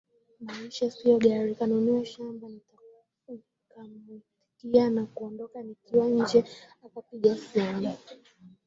Maisha sio gari kanunue shamba Nikamuitikia na kuondoka Nikiwa nje akapiga simu